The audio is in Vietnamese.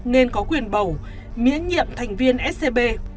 nên có quyền bầu miễn nhiệm thành viên scb